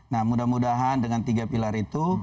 nah mudah mudahan dengan tiga pilar itu